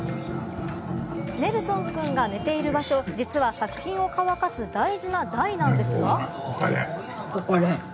ネルソンくんが寝ている場所、実は作品を乾かす大事な台なんですが。